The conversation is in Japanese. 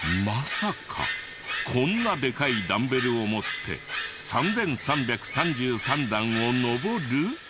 まさかこんなでかいダンベルを持って３３３３段を上る？